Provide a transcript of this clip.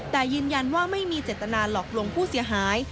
แต่ยืนยันว่าไม่มีเจตนาหลอกลวงผู้เสียหาย